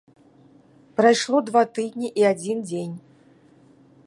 Прайшло два тыдні і адзін дзень.